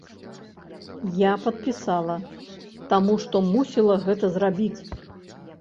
Я падпісала, таму што мусіла гэта зрабіць.